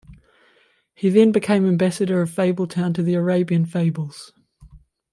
He then became ambassador of Fabletown to the Arabian fables.